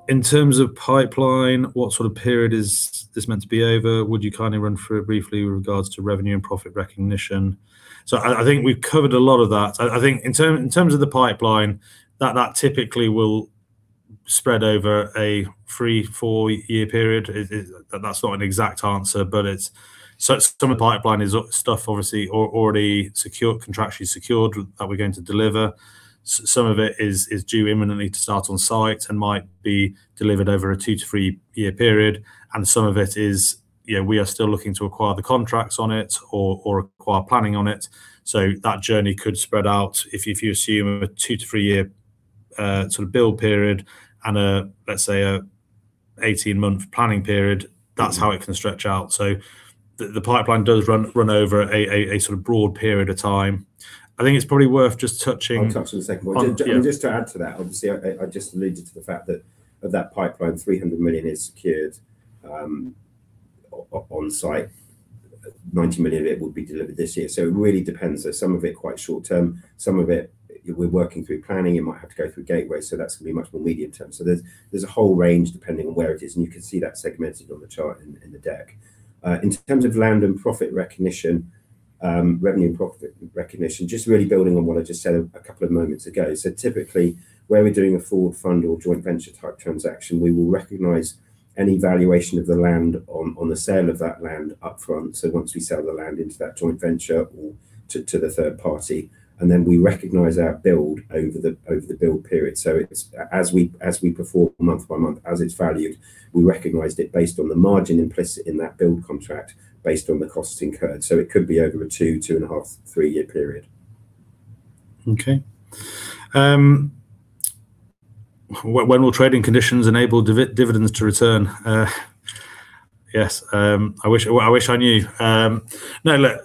In terms of pipeline, what sort of period is this meant to be over? Would you kindly run through it briefly with regards to revenue and profit recognition? I think we've covered a lot of that. I think in terms of the pipeline, that typically will spread over a three, four-year period. That's not an exact answer, but some of the pipeline is stuff obviously already contractually secured that we're going to deliver. Some of it is due imminently to start on site and might be delivered over a two to three-year period. Some of it is we are still looking to acquire the contracts on it or acquire planning on it. That journey could spread out if you assume a two to three-year sort of build period and let's say an 18-month planning period. That's how it can stretch out. The pipeline does run over a sort of broad period of time. I think it's probably worth just touching I'll touch on the second one. Yeah. Just to add to that, obviously, I just alluded to the fact that of that pipeline, 300 million is secured on site. 90 million of it will be delivered this year. It really depends. Some of it quite short term, some of it we're working through planning. It might have to go through gateway. That's going to be much more medium term. There's a whole range depending on where it is, and you can see that segmented on the chart in the deck. In terms of land and profit recognition, revenue and profit recognition, just really building on what I just said a couple of moments ago. Typically, where we're doing a forward fund or joint venture type transaction, we will recognize any valuation of the land on the sale of that land up front. Once we sell the land into that joint venture or to the third party, and then we recognize our build over the build period. As we perform month by month, as it's valued, we recognized it based on the margin implicit in that build contract based on the costs incurred. It could be over a two and a half, three-year period. Okay. When will trading conditions enable dividends to return? Yes. I wish I knew. No, look,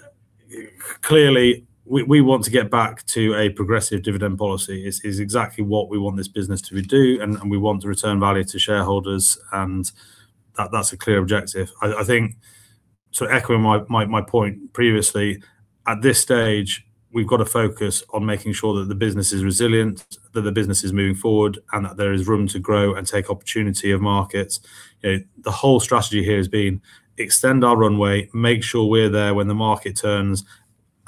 clearly, we want to get back to a progressive dividend policy. It's exactly what we want this business to do, and we want to return value to shareholders, and that's a clear objective. I think to echo my point previously, at this stage, we've got to focus on making sure that the business is resilient, that the business is moving forward, and that there is room to grow and take opportunity of markets. The whole strategy here has been extend our runway, make sure we're there when the market turns.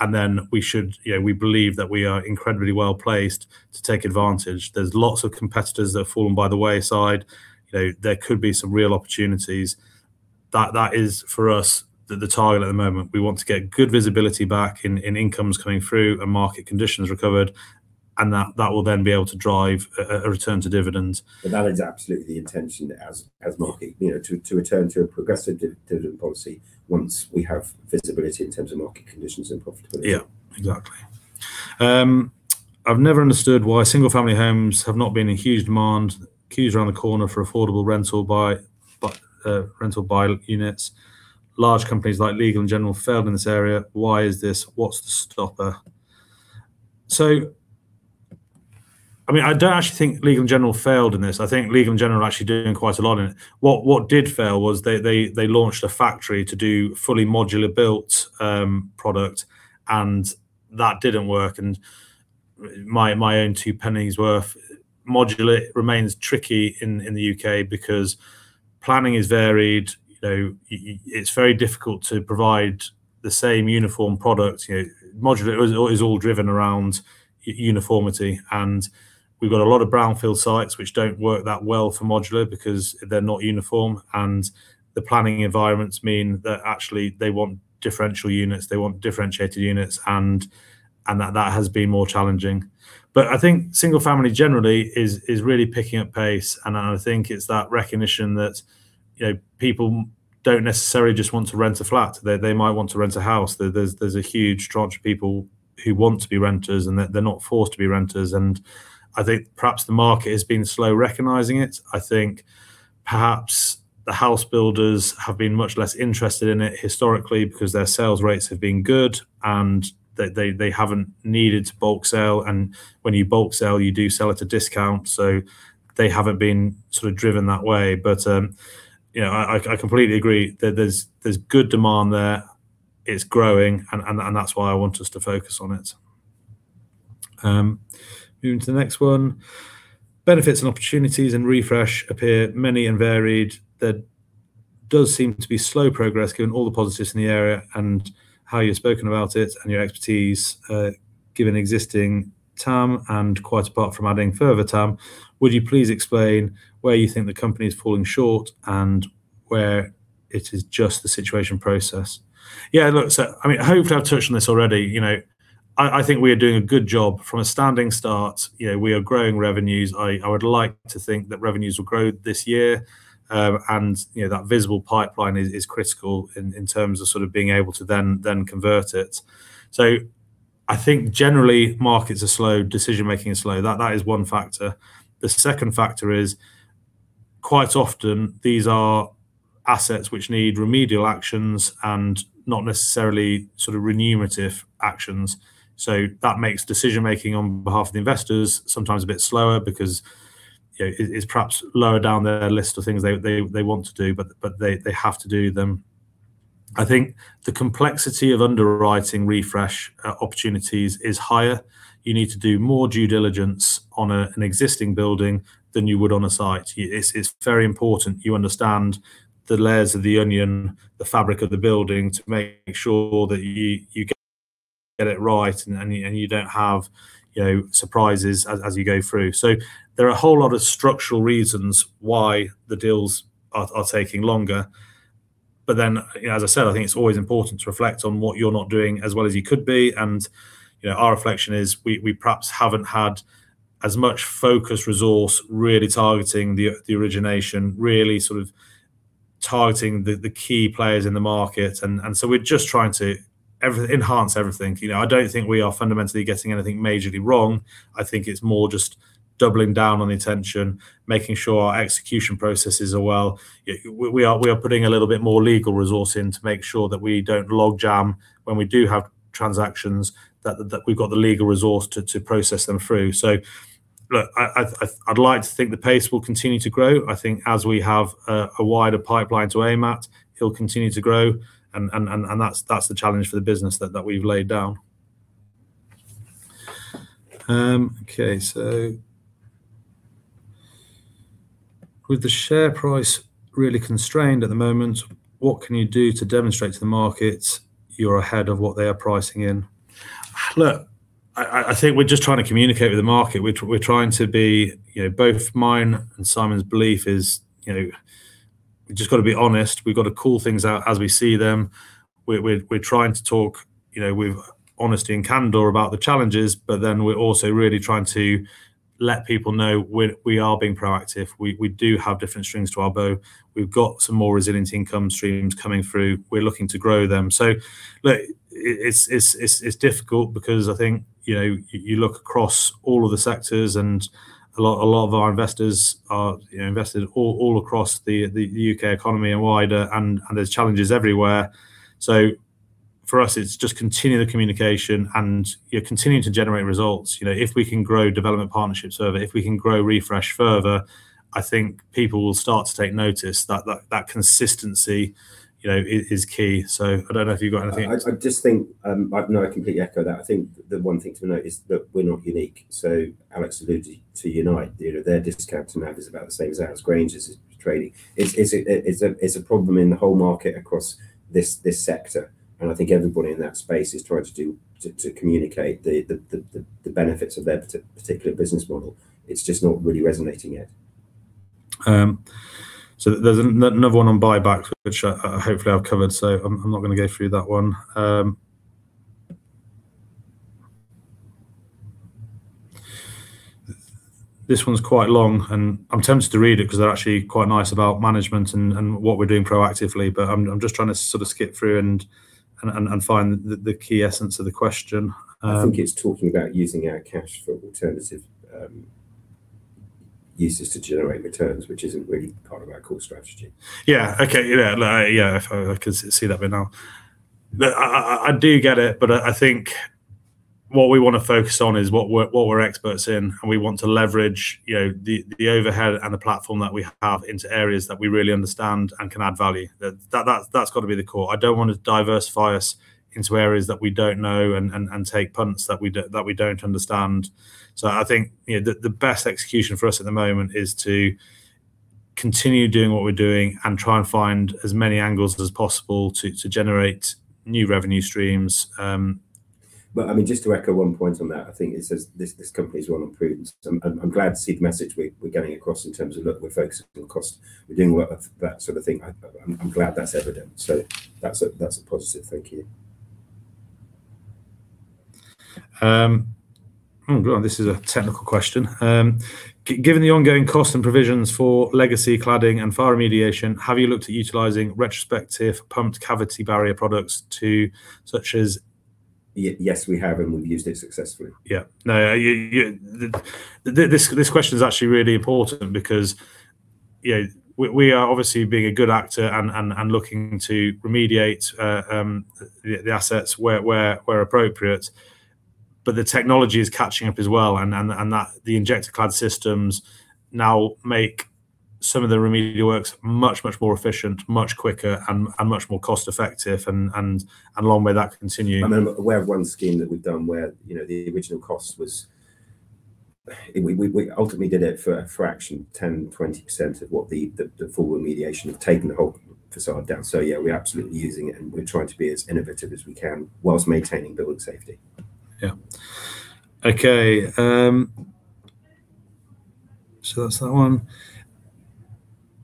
We believe that we are incredibly well-placed to take advantage. There's lots of competitors that have fallen by the wayside. There could be some real opportunities. That is, for us, the target at the moment. We want to get good visibility back in incomes coming through and market conditions recovered, and that will then be able to drive a return to dividends. That is absolutely the intention, to return to a progressive dividend policy once we have visibility in terms of market conditions and profitability. Yeah. Exactly. "I've never understood why single-family homes have not been in huge demand. Queues around the corner for affordable rental buy units. Large companies like Legal & General failed in this area. Why is this? What's the stopper?" I don't actually think Legal & General failed in this. I think Legal & General are actually doing quite a lot in it. What did fail was they launched a factory to do fully modular built product, that didn't work. My own two pennies worth, modular remains tricky in the U.K. because planning is varied. It's very difficult to provide the same uniform product. Modular is all driven around uniformity, we've got a lot of brownfield sites which don't work that well for modular because they're not uniform, the planning environments mean that actually they want differential units. They want differentiated units, and that has been more challenging. I think single family generally is really picking up pace, and I think it's that recognition that people don't necessarily just want to rent a flat. They might want to rent a house. There's a huge tranche of people who want to be renters, and they're not forced to be renters. I think perhaps the market has been slow recognizing it. I think perhaps the house builders have been much less interested in it historically because their sales rates have been good, and they haven't needed to bulk sell. When you bulk sell, you do sell at a discount. They haven't been driven that way. I completely agree that there's good demand there. It's growing, and that's why I want us to focus on it. Moving to the next one. Benefits and opportunities in Fresh appear many and varied. There does seem to be slow progress given all the positives in the area and how you've spoken about it and your expertise, given existing TAM and quite apart from adding further TAM. Would you please explain where you think the company is falling short and where it is just the situation process? Yeah, look, hopefully I've touched on this already. I think we are doing a good job. From a standing start, we are growing revenues. I would like to think that revenues will grow this year. That visible pipeline is critical in terms of being able to then convert it. I think generally markets are slow, decision-making is slow. That is one factor. The second factor is, quite often these are assets which need remedial actions and not necessarily remunerative actions. That makes decision-making on behalf of the investors sometimes a bit slower because it is perhaps lower down their list of things they want to do, but they have to do them. I think the complexity of underwriting refresh opportunities is higher. You need to do more due diligence on an existing building than you would on a site. It's very important you understand the layers of the onion, the fabric of the building to make sure that you get it right and you don't have surprises as you go through. There are a whole lot of structural reasons why the deals are taking longer. As I said, I think it's always important to reflect on what you're not doing as well as you could be. Our reflection is we perhaps haven't had as much focused resource really targeting the origination, really targeting the key players in the market. We're just trying to enhance everything. I don't think we are fundamentally getting anything majorly wrong. I think it's more just doubling down on the attention, making sure our execution processes are well. We are putting a little bit more legal resource in to make sure that we don't logjam when we do have transactions, that we've got the legal resource to process them through. Look, I'd like to think the pace will continue to grow. I think as we have a wider pipeline to aim at, it'll continue to grow, and that's the challenge for the business that we've laid down. Okay. With the share price really constrained at the moment, what can you do to demonstrate to the markets you're ahead of what they are pricing in?" Look, I think we're just trying to communicate with the market, which we're trying to be, both mine and Simon's belief is we've just got to be honest. We've got to call things out as we see them. We're trying to talk with honesty and candor about the challenges. We're also really trying to let people know we are being proactive. We do have different strings to our bow. We've got some more resilient income streams coming through. We're looking to grow them. Look, it's difficult because I think you look across all of the sectors and a lot of our investors are invested all across the U.K. economy and wider, and there's challenges everywhere. For us, it's just continue the communication, and you're continuing to generate results. If we can grow development partnerships further, if we can grow Fresh further, I think people will start to take notice that consistency is key. I don't know if you've got anything. I just think, no, I completely echo that. I think the one thing to note is that we're not unique. Alex alluded to Unite. Their discount to NAV is about the same as ours. Grainger's is trading. It's a problem in the whole market across this sector, I think everybody in that space is trying to communicate the benefits of their particular business model. It's just not really resonating yet. There's another one on buybacks, which hopefully I've covered, so I'm not going to go through that one. This one's quite long, and I'm tempted to read it because they're actually quite nice about management and what we're doing proactively. I'm just trying to skip through and find the key essence of the question. I think it is talking about using our cash for alternative uses to generate returns, which isn't really part of our core strategy. Yeah. Okay. Yeah. I can see that bit now. I do get it, but I think what we want to focus on is what we're experts in, and we want to leverage the overhead and the platform that we have into areas that we really understand and can add value. That's got to be the core. I don't want to diversify us into areas that we don't know and take punts that we don't understand. I think, the best execution for us at the moment is to continue doing what we're doing and try and find as many angles as possible to generate new revenue streams. Just to echo one point on that, I think it says this company's run on prudence. I'm glad to see the message we're getting across in terms of look, we're focusing on cost. We're doing work, that sort of thing. I'm glad that's evident. That's a positive. Thank you. Oh, God. This is a technical question. Given the ongoing cost and provisions for legacy cladding and fire remediation, have you looked at utilizing retrospective pumped cavity barrier products? Yes, we have, and we've used it successfully. Yeah. This question is actually really important because we are obviously being a good actor and looking to remediate the assets where appropriate, but the technology is catching up as well, and the Injectaclad systems now make some of the remedial works much more efficient, much quicker, and much more cost effective. I'm aware of one scheme that we've done where the original cost. We ultimately did it for a fraction, 10%, 20% of what the full remediation of taking the whole facade down. Yeah, we're absolutely using it, and we're trying to be as innovative as we can while maintaining building safety. Yeah. Okay. That's that one.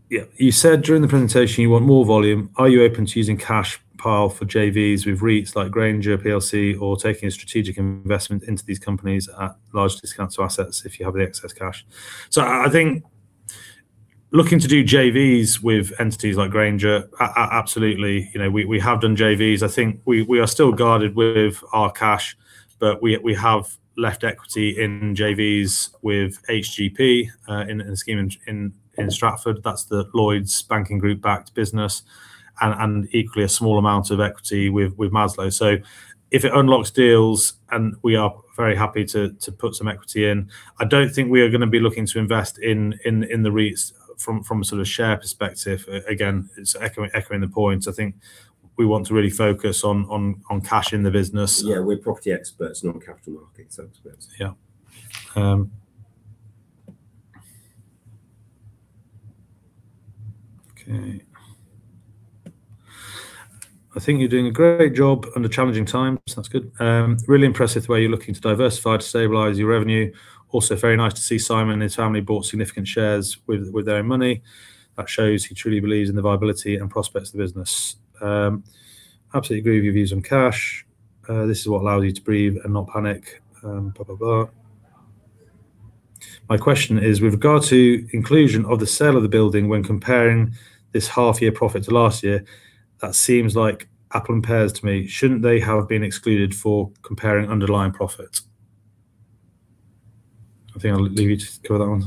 You said during the presentation you want more volume. Are you open to using cash pile for JVs with REITs like Grainger PLC or taking a strategic investment into these companies at large discounts to assets if you have the excess cash? I think looking to do JVs with entities like Grainger, absolutely. We have done JVs. I think we are still guarded with our cash, but we have left equity in JVs with HGP, in a scheme in Stratford. That's the Lloyds Banking Group-backed business. Equally, a small amount of equity with Maslow. If it unlocks deals, and we are very happy to put some equity in, I don't think we are going to be looking to invest in the REITs from a share perspective. Again, it's echoing the points. I think we want to really focus on cash in the business. Yeah, we're property experts, not capital markets experts. Yeah. Okay. I think you're doing a great job under challenging times. That's good. Really impressed with the way you're looking to diversify to stabilize your revenue. Also, very nice to see Simon and his family bought significant shares with their own money. That shows he truly believes in the viability and prospects of the business. Absolutely agree with your views on cash. This is what allows you to breathe and not panic. Blah, blah. My question is, with regard to inclusion of the sale of the building when comparing this half-year profit to last year, that seems like apple and pears to me. Shouldn't they have been excluded for comparing underlying profits? I think I'll leave you to cover that one.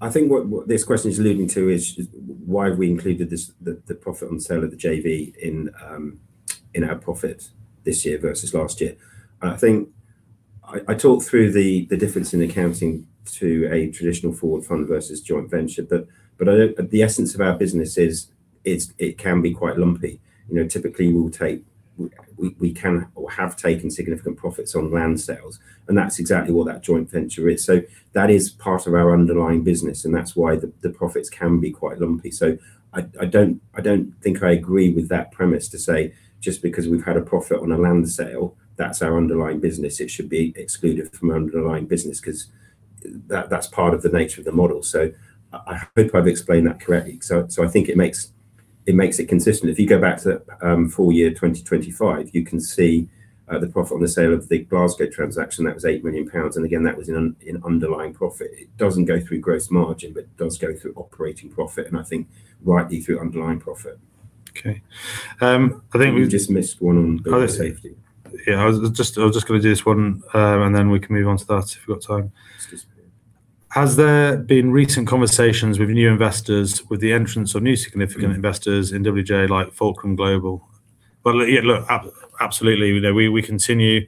I think what this question is alluding to is why have we included the profit on sale of the JV in our profit this year versus last year. I think I talked through the difference in accounting to a traditional forward fund versus joint venture, but the essence of our business is it can be quite lumpy. Typically, we can or have taken significant profits on land sales, and that's exactly what that joint venture is. That is part of our underlying business, and that's why the profits can be quite lumpy. I don't think I agree with that premise to say just because we've had a profit on a land sale, that's our underlying business. It should be excluded from underlying business because that's part of the nature of the model. I hope I've explained that correctly. I think it makes it consistent. If you go back to full year 2025, you can see the profit on the sale of the Glasgow transaction. That was 8 million pounds. Again, that was in underlying profit. It doesn't go through gross margin, but does go through operating profit, and I think rightly through underlying profit. Okay. I think. You just missed one on Building Safety. Yeah, I was just going to do this one, and then we can move on to that if we've got time. It's disappeared. Has there been recent conversations with new investors with the entrance of new significant investors in WJ, like Fulcrum Global? Well, yeah, look, absolutely. We continue.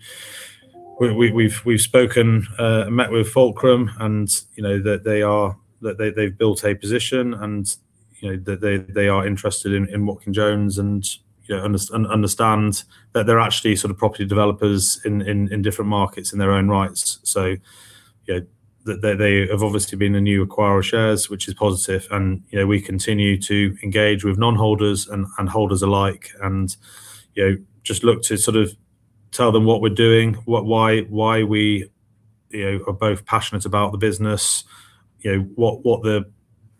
We've spoken, met with Fulcrum, and they've built a position, and they are interested in Watkin Jones and understand that they're actually property developers in different markets in their own rights. They have obviously been a new acquirer of shares, which is positive, and we continue to engage with non-holders and holders alike and just look to tell them what we're doing, why we are both passionate about the business, what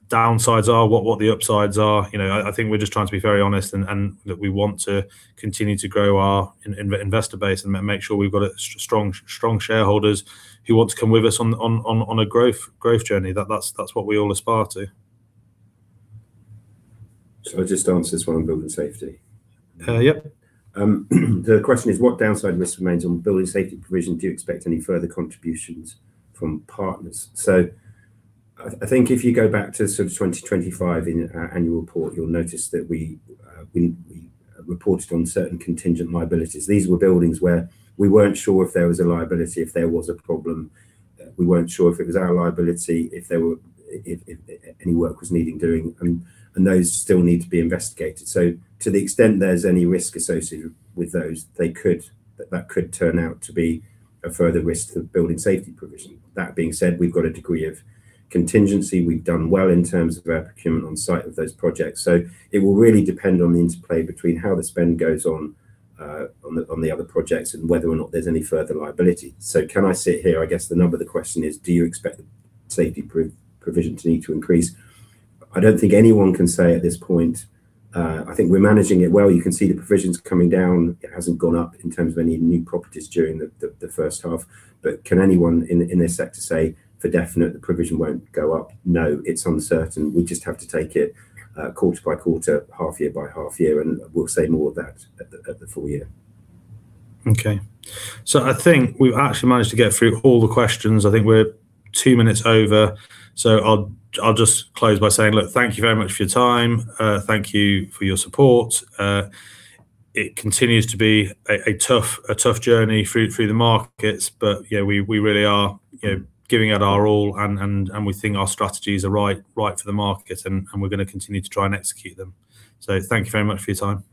the downsides are, what the upsides are. I think we're just trying to be very honest and that we want to continue to grow our investor base and make sure we've got strong shareholders who want to come with us on a growth journey. That's what we all aspire to. Shall I just answer this one on building safety? Yep. The question is, what downside risk remains on building safety provision? Do you expect any further contributions from partners? I think if you go back to sort of 2025 in our annual report, you'll notice that we reported on certain contingent liabilities. These were buildings where we weren't sure if there was a liability, if there was a problem. We weren't sure if it was our liability, if any work was needing doing, and those still need to be investigated. To the extent there's any risk associated with those, that could turn out to be a further risk to the building safety provision. That being said, we've got a degree of contingency. We've done well in terms of our procurement on site of those projects. It will really depend on the interplay between how the spend goes on the other projects and whether or not there's any further liability. Can I sit here? I guess the nub of the question is, do you expect the safety provisions need to increase? I don't think anyone can say at this point. I think we're managing it well. You can see the provisions coming down. It hasn't gone up in terms of any new properties during the first half. Can anyone in this sector say for definite the provision won't go up? No, it's uncertain. We just have to take it quarter by quarter, half year by half year, and we'll say more of that at the full year. Okay. I think we've actually managed to get through all the questions. I think we're two minutes over. I'll just close by saying thank you very much for your time. Thank you for your support. It continues to be a tough journey through the markets. We really are giving it our all. We think our strategies are right for the market. We're going to continue to try and execute them. Thank you very much for your time.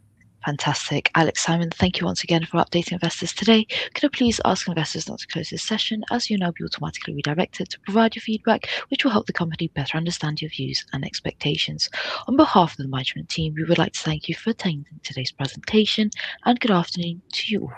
Fantastic. Alex, Simon, thank you once again for updating investors today. Could I please ask investors not to close this session, as you'll now be automatically redirected to provide your feedback, which will help the company better understand your views and expectations. On behalf of the management team, we would like to thank you for attending today's presentation. Good afternoon to you all.